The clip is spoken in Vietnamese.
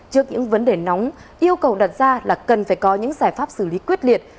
trước những vấn đề nóng yêu cầu đặt ra là cần phải có những giải pháp xử lý quyết liệt